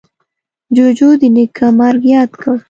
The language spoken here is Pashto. جوجو د نیکه مرگ ياد کړ.